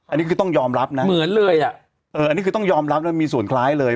อันนี้คือต้องยอมรับนะเหมือนเลยอ่ะเอออันนี้คือต้องยอมรับแล้วมีส่วนคล้ายเลย